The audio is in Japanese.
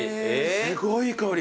すごいいい香り。